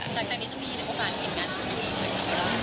หลังจากนี้จะมีโอกาสเห็นกันอยู่ไหม